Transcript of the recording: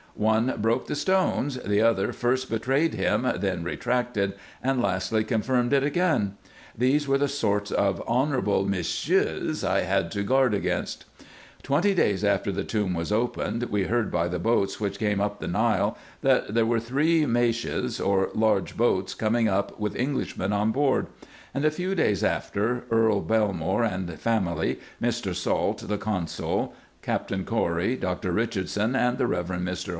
One broke the stones ; the other first betrayed him, then retracted, and lastly confirmed it again. These were the sort of honourable Monsieurs I had to guard against. Twenty days after the tomb was opened, we heard by the boats which came up the Nile, that there were three maishes, or large boats, coming up, with Englishmen on board ; and, a few days after, Earl Belmore and family, Mr. Salt the consul, Captain Cory, Dr. Eichardson, and the Eev. Mr.